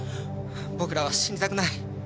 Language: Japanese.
僕らは死にたくない。